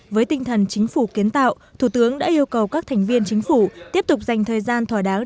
với tinh thần chính phủ kiến tạo thủ tướng đã yêu cầu các thành viên chính phủ tiếp tục dành thời gian thỏa đáng